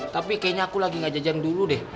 tapi kayaknya aku lagi ga jajan dulu deh